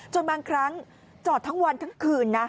บางครั้งจอดทั้งวันทั้งคืนนะ